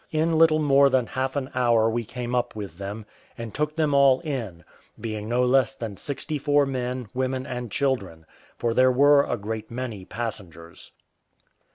In little more than half an hour we came up with them; and took them all in, being no less than sixty four men, women, and children; for there were a great many passengers.